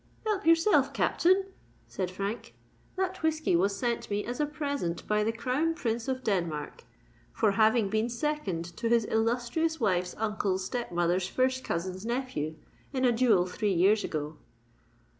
"Help yourself, Captain," said Frank. "That whiskey was sent me as a present by the Crown Prince of Denmark, for having been second to his illustrious wife's uncle's stepmother's first cousin's nephew, in a duel three years ago."